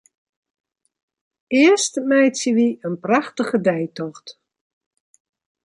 Earst meitsje wy in prachtige deitocht.